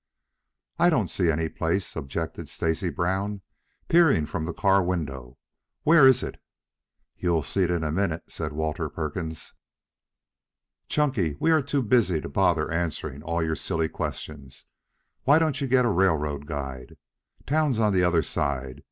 "I don't see any place," objected Stacy Brown, peering from the car window. "Where is it?" "You'll see it in a minute," said Walter Perkins. "Chunky, we are too busy to bother answering all your silly questions. Why don't you get a railroad guide? Town's on the other side.